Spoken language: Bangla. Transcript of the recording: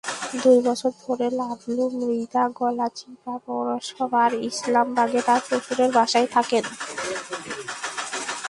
দুই বছর ধরে লাবলু মৃধা গলাচিপা পৌরসভার ইসলামবাগে তাঁর শ্বশুরের বাসায় থাকেন।